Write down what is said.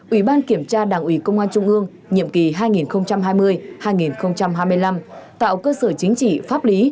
ủy ban kiểm tra đảng ủy công an trung ương nhiệm kỳ hai nghìn hai mươi hai nghìn hai mươi năm tạo cơ sở chính trị pháp lý